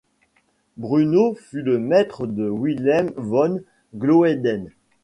Bruno fut le maître de Wilhelm von Gloeden.